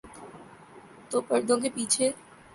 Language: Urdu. تو پردوں کے پیچھے۔